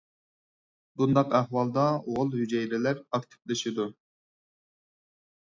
بۇنداق ئەھۋالدا غول ھۈجەيرىلەر ئاكتىپلىشىدۇ.